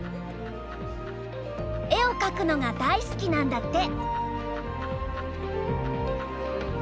絵を描くのが大好きなんだって。